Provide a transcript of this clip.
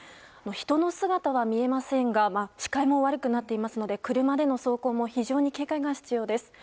人の姿は見えませんが視界も悪くなっていますので車での走行にも警戒が必要です。